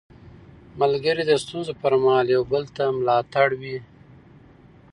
ملګري د ستونزو پر مهال یو بل ته ملا تړ وي